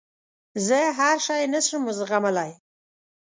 زه هر شی نه شم زغملای.